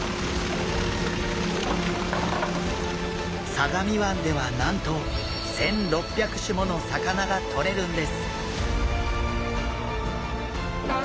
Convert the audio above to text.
相模湾ではなんと１，６００種もの魚がとれるんです！